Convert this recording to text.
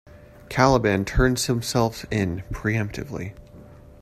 Caliban turns himself in preemptively.